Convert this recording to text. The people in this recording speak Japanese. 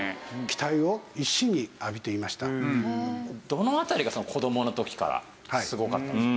どの辺りが子どもの時からすごかったんですか？